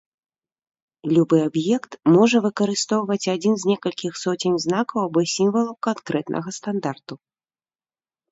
Любы аб'ект можа выкарыстоўваць адзін з некалькіх соцень знакаў або сімвалаў канкрэтнага стандарту.